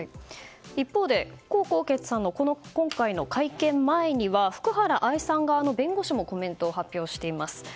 一方で、江宏傑さんのこの今回の会見前には福原愛さん側の弁護士もコメントを発表しています。